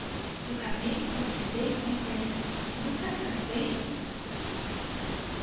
You have made some mistake, my friends. Look at her face!"